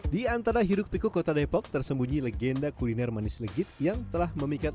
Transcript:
di antara hiruk piku kota depok tersembunyi legenda kuliner manis legit yang telah memikat